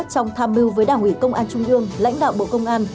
trong tham mưu với đảng ủy công an trung ương lãnh đạo bộ công an